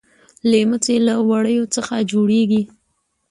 ليمڅی له وړيو څخه جوړيږي.